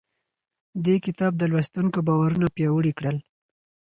دې کتاب د لوستونکو باورونه پیاوړي کړل.